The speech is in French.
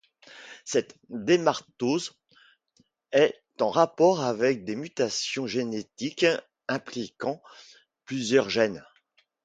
Cette dermatose est en rapport avec des mutations génétiques impliquant plusieurs gènes.